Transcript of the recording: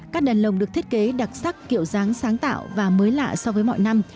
các đèn lồng được thiết kế đặc sắc kiểu dáng sáng tạo và mới lạ so với mọi năm